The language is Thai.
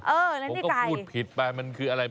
เออผมก็พูดผิดไปมันคืออะไร